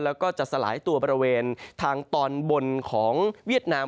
แล้วก็จะสลายตัวบริเวณทางตอนบนของเวียดนาม